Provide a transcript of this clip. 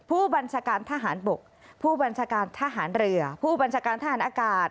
ผู้บัญชาการทหารบกผู้บัญชาการทหารเรือผู้บัญชาการทหารอากาศ